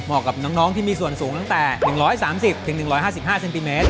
กับน้องที่มีส่วนสูงตั้งแต่๑๓๐๑๕๕เซนติเมตร